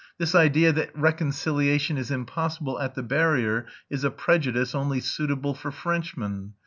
This idea that reconciliation is impossible at the barrier is a prejudice, only suitable for Frenchmen.